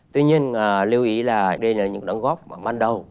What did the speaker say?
tuy nhiên lưu ý là đây là những đóng góp ban đầu